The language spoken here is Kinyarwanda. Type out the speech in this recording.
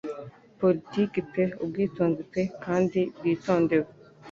Politiki pe ubwitonzi pe kandi bwitondewe;